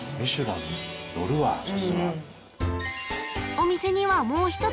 お店にはもう一つ